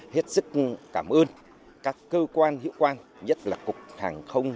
hết sức cảm ơn các cơ quan hiệu quan nhất là cục hàng không